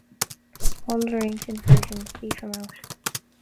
All other ancient versions leave him out.